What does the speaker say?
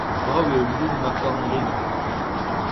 Brav eo liv marc'h-houarn Lena.